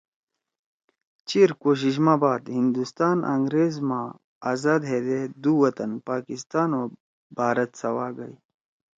چیر کوشش ما بعد ہندوستان انگریز ما آذاد ہدے دُو وطن پاکستان او بھارت سوا گئی